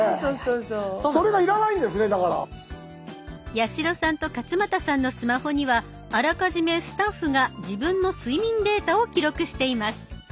八代さんと勝俣さんのスマホにはあらかじめスタッフが自分の睡眠データを記録しています。